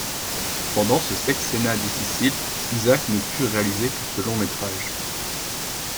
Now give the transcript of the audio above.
Pendant ce sexennat difficile, Isaac ne put réaliser que ce long métrage.